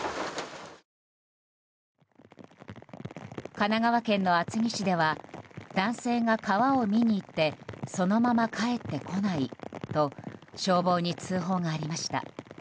神奈川県の厚木市では男性が川を見に行ってそのまま帰ってこないと消防に通報がありました。